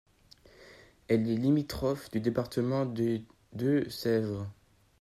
Elle est limitrophe du département des Deux-Sèvres.